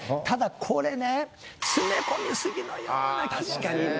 ただこれね確かに。